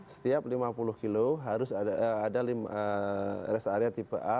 setiap lima puluh kilo harus ada rest area tipe a